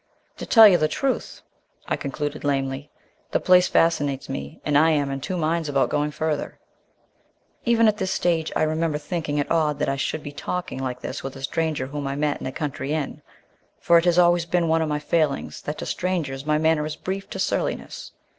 "To tell you the truth," I concluded lamely, "the place fascinates me and I am in two minds about going further " Even at this stage I remember thinking it odd that I should be talking like this with a stranger whom I met in a country inn, for it has always been one of my failings that to strangers my manner is brief to surliness.